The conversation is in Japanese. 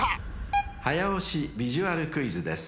［早押しビジュアルクイズです。